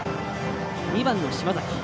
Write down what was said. ２番の島崎。